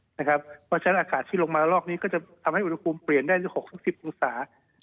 เพราะฉะนั้นอากาศที่ลงมาลอกนี้ก็จะทำให้อุณหภูมิเปลี่ยนได้๖๑๐องศา